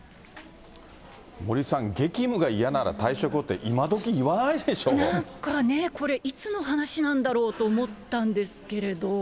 森さん、激務が嫌なら退職をって、なんかね、これ、いつの話なんだろうと思ったんですけれども。